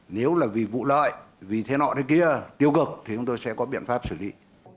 nếu là vì vụ lợi vì thế nọ thế kia tiêu cực thì chúng tôi sẽ có biện pháp xử lý